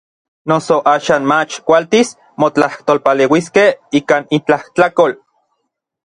Noso axan mach kualtis motlajtolpaleuiskej ikan intlajtlakol.